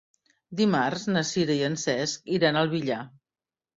Dimarts na Sira i en Cesc iran al Villar.